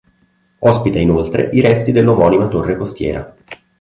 Ospita inoltre i resti dell'omonima torre costiera.